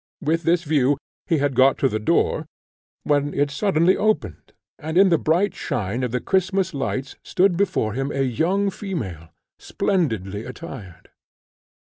With this view he had got to the door, when it suddenly opened, and in the bright shine of the Christmas lights stood before him a young female, splendidly attired.